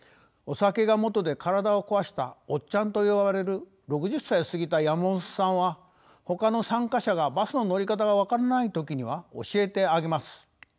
お酒がもとで体を壊した「おっちゃん」と呼ばれる６０歳を過ぎた山本さんはほかの参加者がバスの乗り方が分からない時には教えてあげます。